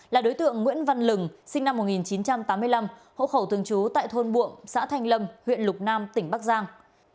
là đối tượng nguyễn văn lừng sinh năm một nghìn chín trăm tám mươi năm hộ khẩu thường trú tại thôn buồng xã thanh lâm huyện lục nam tỉnh bắc giang